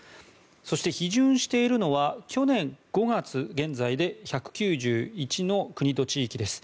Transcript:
そして、批准しているのは去年５月現在１９１の国と地域です。